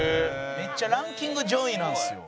めっちゃランキング上位なんですよ。